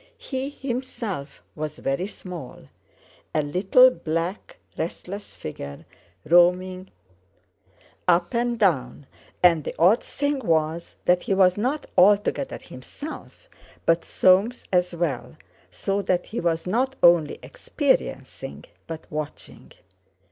He himself was very small, a little black restless figure roaming up and down; and the odd thing was that he was not altogether himself, but Soames as well, so that he was not only experiencing but watching.